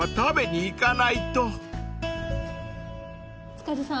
塚地さん